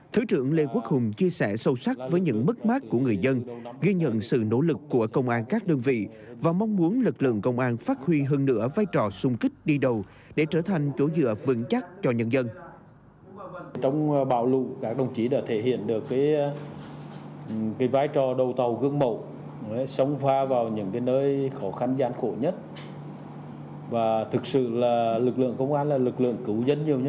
thứ trưởng lê quốc hùng chia sẻ sâu sắc với những mất mát của người dân ghi nhận sự nỗ lực của công an các đơn vị và mong muốn lực lượng công an phát huy hơn nữa vai trò xung kích đi đầu để trở thành chỗ dựa vững chắc cho nhân dân